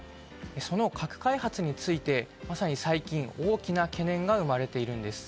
その核開発について最近大きな懸念が生まれています。